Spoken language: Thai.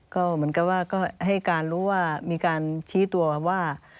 ก็เหมือนกับว่าก็ให้การรู้ว่ามีการชี้ตัวว่า